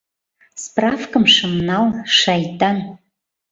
Справкым шым нал, шайтан.